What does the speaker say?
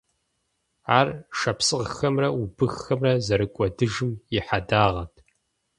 Ар шапсыгъхэмрэ убыххэмрэ зэрыкӀуэдыжым и хьэдагъэт.